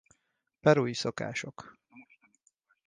Perui szokások.